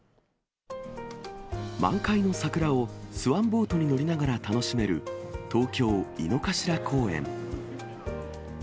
満開の桜をスワンボートに乗りながら楽しめる、東京・井の頭公園。